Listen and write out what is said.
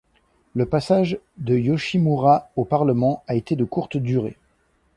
Le passage de Yoshimura au Parlement a été de courte durée.